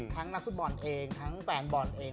นักฟุตบอลเองทั้งแฟนบอลเอง